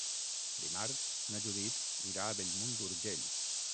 Dimarts na Judit irà a Bellmunt d'Urgell.